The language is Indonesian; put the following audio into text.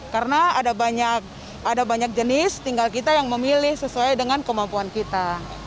karena ada banyak jenis tinggal kita yang memilih sesuai dengan kemampuan kita